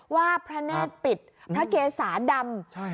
ว่าพระเนธปิตรพระเกสสะดำ